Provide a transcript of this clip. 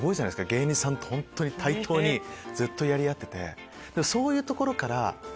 芸人さんと対等にずっとやり合ってて。